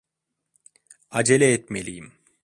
Acele etmeliyim.